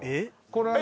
これ。